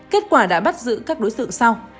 kết quả đã bắt giữ các đối tượng sau